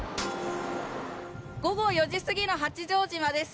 午後４時過ぎの八丈島です。